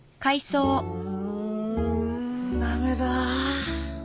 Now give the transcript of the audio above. うん駄目だ